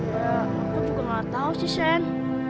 ya aku juga gak tau sih shane